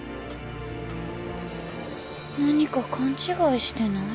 何か勘違いしてない？